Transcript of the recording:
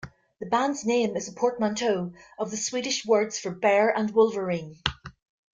The band's name is a portmanteau of the Swedish words for bear and wolverine.